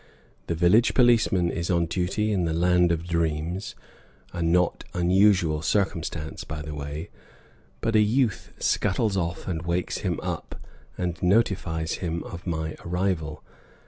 The village policeman is on duty in the land of dreams, a not unusual circumstance, by the way; but a youth scuttles off and wakes him up, and notifies him of my arrival.